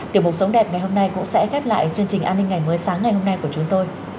tiểu mục sống đẹp ngày hôm nay cũng sẽ khép lại chương trình an ninh ngày mới sáng ngày hôm nay của chúng tôi